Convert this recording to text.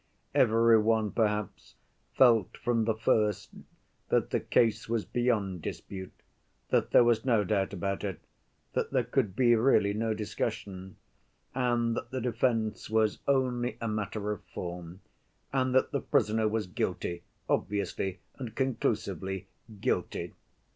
Every one, perhaps, felt from the first that the case was beyond dispute, that there was no doubt about it, that there could be really no discussion, and that the defense was only a matter of form, and that the prisoner was guilty, obviously and conclusively guilty.